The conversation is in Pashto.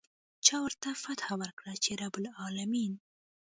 چا ورته فتحه ورکړه چې رب العلمين.